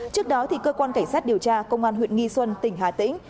trước đó thì cơ quan cảnh sát điều tra công an huyện nguyễn sơn tỉnh hải tĩnh